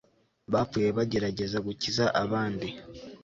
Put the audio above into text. bapfuye bagerageza gukiza abandi